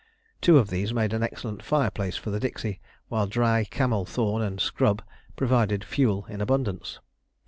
Two of these made an excellent fireplace for the dixie, while dry camel thorn and scrub provided fuel in abundance.